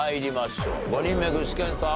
５人目具志堅さん